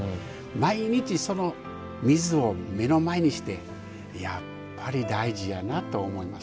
毎日、その水を目の前にしてやっぱり大事やなと思います。